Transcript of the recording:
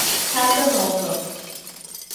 Casa Nova